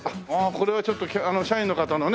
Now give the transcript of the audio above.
これはちょっと社員の方のね